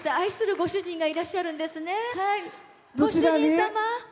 ご主人様！